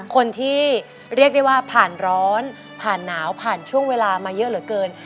คนที่เรียกได้ว่าผ่านร้อนผ่านหนาวผ่านช่วงเวลามาเยอะเหลือเกิน